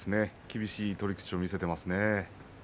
厳しい取り口を見せていますね。